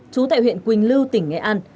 trú tại huyện quỳnh lưu tỉnh nghệ an